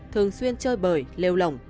thường xuyên chơi bời lêu lỏng